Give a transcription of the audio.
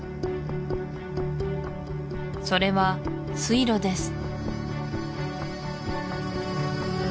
それは水路です